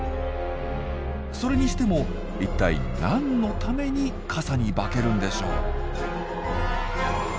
それにしても一体何のために傘に化けるんでしょう？